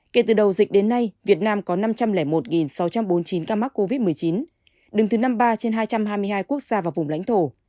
kể từ đầu dịch đến nay việt nam có năm trăm linh một sáu trăm bốn mươi chín ca mắc covid một mươi chín đứng thứ năm mươi ba trên hai trăm hai mươi hai quốc gia và vùng lãnh thổ